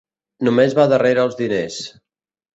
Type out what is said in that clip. Només va darrere els diners.